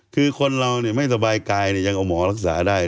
คือคนเราไม่สบายกายยังเอาหมอรักษาได้